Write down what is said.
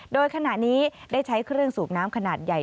โดยขณะนี้ได้ใช้เครื่องสูบน้ำขนาดใหญ่